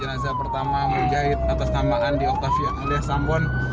jenazah pertama menjahit atas nama andi oktavio andesambon